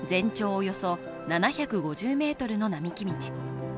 およそ７５０ｍの並木道。